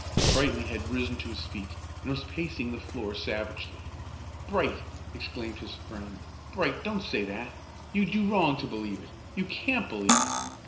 Brightly had risen to his feet, and was pacing the floor savagely. "Bright," exclaimed his friend, "Bright, don't say that! You do wrong to believe it; you can't believe it.